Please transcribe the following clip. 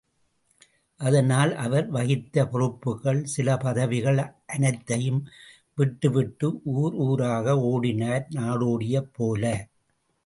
அதனால் அவர் வகித்த பொறுப்புக்கள், சில பதவிகள் அனைத்தையும் விட்டுவிட்டு ஊர் ஊராக ஓடினார் நாடோடியைப் போல.